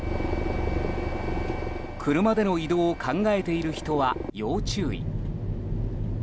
車での移動を考えている人は要注意。